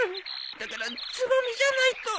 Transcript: だからつぼみじゃないと。